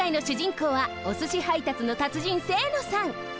こうはおすし配達の達人清野さん。